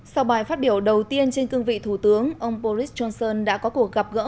sau bài phát biểu đầu tiên trên cương vị thủ tướng ông boris johnson đã có cuộc gặp gỡ